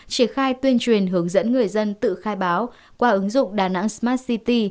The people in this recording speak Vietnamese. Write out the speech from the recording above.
triển khai tuyên truyền hướng dẫn người dân tự khai báo qua ứng dụng đà nẵng smart city